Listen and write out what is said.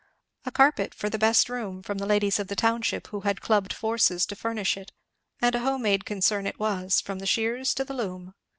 A carpet for the best room from the ladies of the township, who had clubbed forces to furnish it; and a home made concern it was, from the shears to the loom.